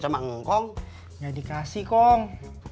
gak dikasih kong